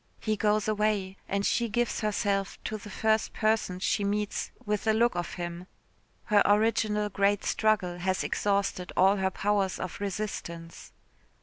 He goes away and she gives herself to the first person she meets with a look of him. Her original great struggle has exhausted all her powers of resistance.